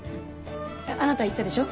あなた言ったでしょ？